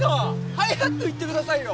早く言ってくださいよ。